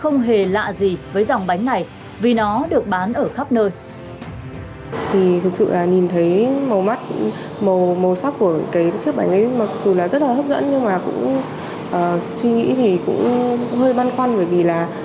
nó được bán ở khắp nơi